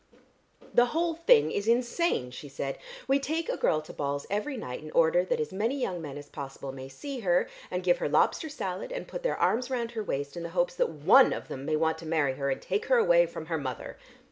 "The whole thing is insane," she said. "We take a girl to balls every night in order that as many young men as possible may see her and give her lobster salad and put their arms round her waist in the hopes that one of them may want to marry her and take her away from her mother."